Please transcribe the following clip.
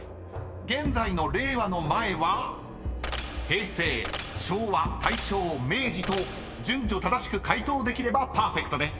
［平成昭和大正明治と順序正しく解答できればパーフェクトです］